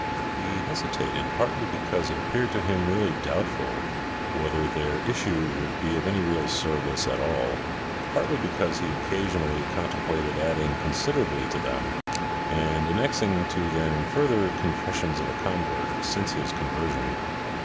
He hesitated partly because it appeared to him really doubtful whether their issue would be of any real service at all, partly because he occasionally contemplated adding con siderably to them, and annexing to them further "confessions of a convert" since his conversion.